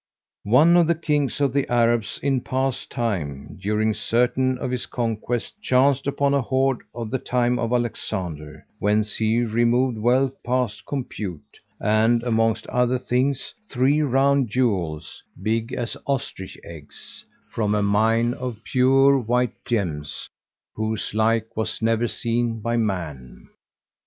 One of the Kings of the Arabs in past time, during certain of his conquests, chanced upon a hoard of the time of Alexander,[FN#152] whence he removed wealth past compute; and, amongst other things, three round jewels, big as ostrich eggs, from a mine of pure white gems whose like was never seen by man.